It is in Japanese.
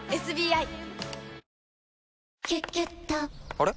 あれ？